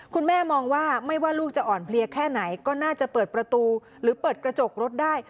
คุณแม่มองว่าไม่ว่าลูกจะอ่อนเพลียแค่ไหนก็น่าจะเปิดประตูหรือเปิดกระจกรถได้